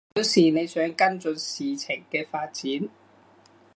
表示你想跟進事情嘅發展